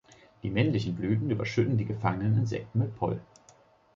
Die männlichen Blüten überschütten die gefangenen Insekten mit Pollen.